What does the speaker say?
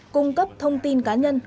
cung cấp thông tin cá nhân